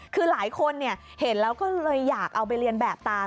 คือหลายคนเห็นแล้วก็เลยอยากเอาไปเรียนแบบตาม